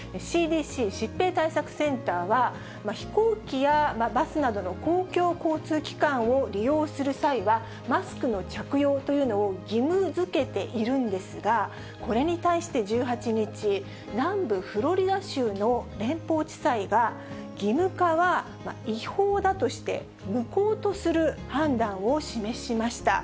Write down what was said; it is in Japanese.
ＣＤＣ・疾病対策センターは、飛行機やバスなどの公共交通機関を利用する際は、マスクの着用というのを義務づけているんですが、これに対して１８日、南部フロリダ州の連邦地裁が、義務化は違法だとして、無効とする判断を示しました。